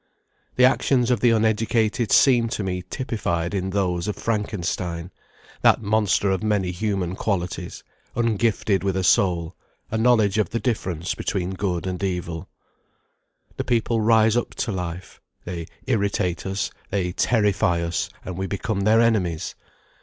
The actions of the uneducated seem to me typified in those of Frankenstein, that monster of many human qualities, ungifted with a soul, a knowledge of the difference between good and evil. The people rise up to life; they irritate us, they terrify us, and we become their enemies.